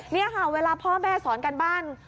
นี่ค่ะเวลาพ่อแม่สอนการบ้าน